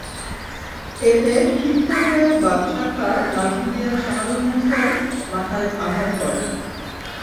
এতে ক্ষিপ্ত হয়ে বাদশা খাঁ লাঠি দিয়ে শাহারুননেছার মাথায় আঘাত করেন।